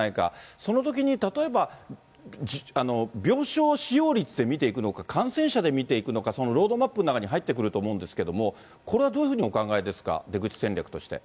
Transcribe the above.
そのときに例えば、病床使用率で見ていくのか、感染者で見ていくのか、そのロードマップの中に入ってくると思うんですけれども、これはどういうふうにお考えですか、出口戦略として。